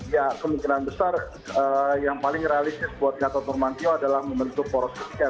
ya kemungkinan besar yang paling realistis buat gatot nurmantio adalah membentuk poros ketiga